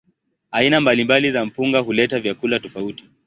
Aina mbalimbali za mpunga huleta vyakula tofauti.